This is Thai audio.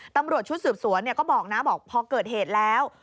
ตำรวจชุดสืบสวนก็บอกนะบอกพอเกิดเหตุแล้ว